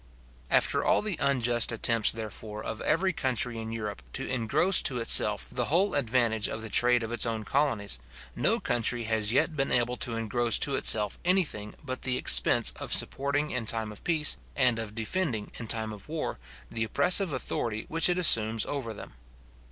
After all the unjust attempts, therefore, of every country in Europe to engross to itself the whole advantage of the trade of its own colonies, no country has yet been able to engross to itself any thing but the expense of supporting in time of peace, and of defending in time of war, the oppressive authority which it assumes over them.